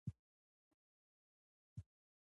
دروسیې الوتکوهوایي ګوزارونوخلکو ته زیان اړولی دی.